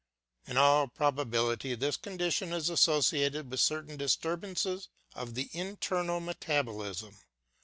In all probability this condition is associated with certain disturbances of the internal meta bolism.